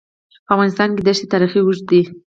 په افغانستان کې د ښتې تاریخ اوږد دی.